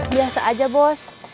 biasa aja bos